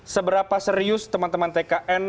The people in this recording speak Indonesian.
seberapa serius teman teman tkn